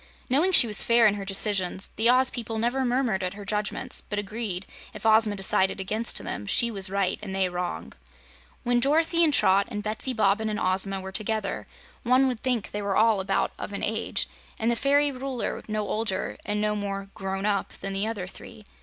Knowing she was fair in her decisions, the Oz people never murmured at her judgments, but agreed, if Ozma decided against them, she was right and they wrong. When Dorothy and Trot and Betsy Bobbin and Ozma were together, one would think they were all about of an age, and the fairy Ruler no older and no more "grown up" than the other three.